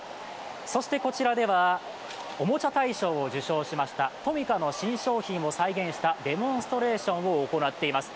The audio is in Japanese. そしてこちらでは、おもちゃ大賞を受賞しましたトミカの新商品を再現したデモンストレーションを行っています。